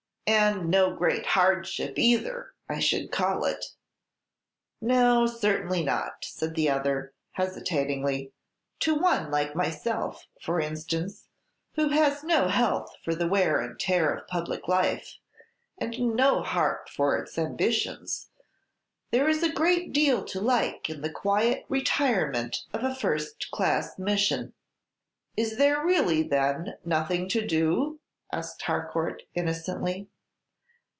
"And no great hardship either, I should call it." "No, certainly not," said the other, hesitatingly. "To one like myself, for instance, who has no health for the wear and tear of public life, and no heart for its ambitions, there is a great deal to like in the quiet retirement of a first class mission." "Is there really, then, nothing to do?" asked Harcourt, innocently.